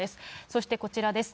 そして、こちらです。